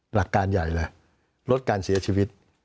หลักการใหญ่แหละลดการเสียชีวิต